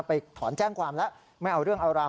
ถอนแจ้งความแล้วไม่เอาเรื่องเอาราว